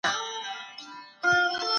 تر څو هر څوک يې واخيستلی شي.